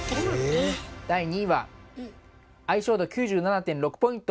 第２位は相性度９７．６ポイント！